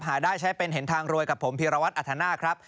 หาได้ใช้เป็นเห็นทางรวยกับผมพีรวัตรอัธนาคครับ